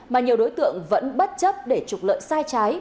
mà nhiều đối tượng vẫn bất chấp để trục lợi sai trái